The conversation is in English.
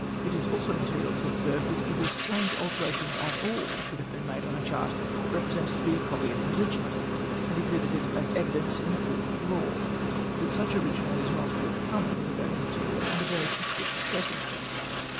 9 " It is also material to observe that it is strange alterations at all should have been made on a chart rej^resented to l)e a copy of an original, and exhibited as evidence in a court of law. That such original is not forthcoming is a very material and a very sus}:)'(cious circmnstance.